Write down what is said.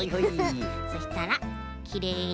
そしたらきれいにふく。